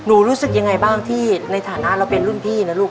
รู้สึกยังไงบ้างที่ในฐานะเราเป็นรุ่นพี่นะลูก